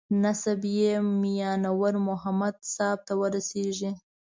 نسب یې میانور محمد صاحب ته رسېږي.